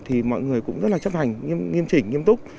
thì mọi người cũng rất là chấp hành nghiêm chỉnh nghiêm túc